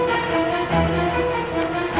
kita teknik our saint